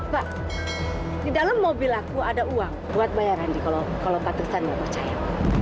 pak di dalam mobil aku ada uang buat bayar randi kalau pak tristan nggak percaya